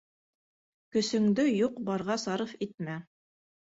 Көсөңдө юҡ-барға сарыф итмә.